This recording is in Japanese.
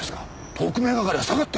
特命係は下がって！